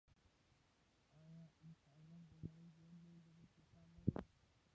آیا مس عینک د نړۍ دویم لوی د مسو کان دی؟